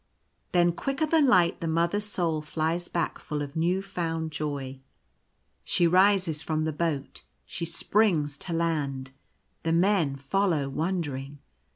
Then quicker than light the Mother's soul flies back full of new found joy. She rises from the boat — she springs to land. The men follow wondering.